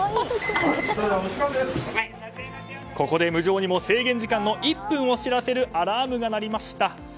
ここで無情にも１分を知らせるアラームが鳴りました。